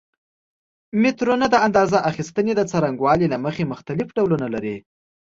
مترونه د اندازه اخیستنې د څرنګوالي له مخې مختلف ډولونه لري.